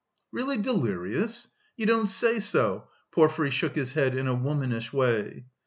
"Really delirious? You don't say so!" Porfiry shook his head in a womanish way.